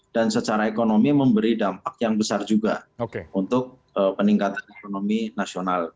dan secara ekonomi memberi dampak yang besar juga untuk peningkatan ekonomi nasional